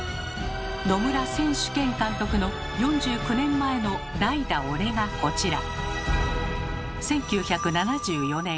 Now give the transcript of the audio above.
野村選手兼監督の４９年前の「代打、オレ」がこちら。